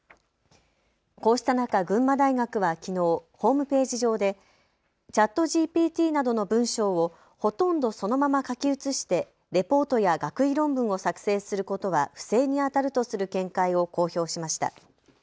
こうした中、群馬大学はきのうホームページ上でＣｈａｔＧＰＴなどの文章をほとんどそのまま書き写してレポートや学位論文を作成することは不正にあたるとする見解を公表しました。